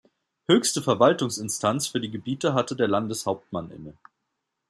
Höchste Verwaltungsinstanz für die Gebiete hatte der Landeshauptmann inne.